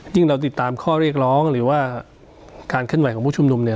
เราติดตามข้อเรียกร้องหรือว่าการเคลื่อนไหวของผู้ชุมนุมเนี่ย